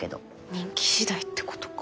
人気次第ってことか。